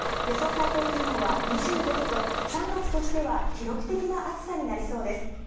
最高気温は２５度と３月としては記録的な暑さになりそうです。